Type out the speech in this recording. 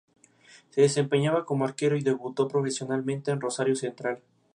Se desempeñaba como arquero y debutó profesionalmente en Rosario Central.